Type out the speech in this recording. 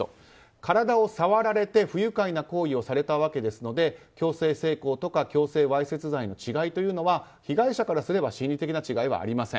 体を触られて不愉快な行為をされたわけですので強制性交とか強制わいせつ罪の違いというのは被害者からすれば心理的な違いはありません。